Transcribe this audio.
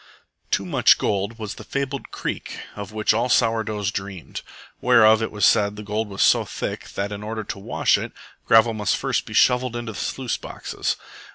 Too Much Gold was the fabled creek of which all sour doughs dreamed, whereof it was said the gold was so thick that, in order to wash it, gravel must first be shovelled into the sluice boxes.